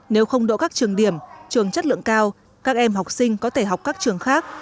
nếu không đổ các trường điểm trường chất lượng cao các em học sinh có thể học các trường khác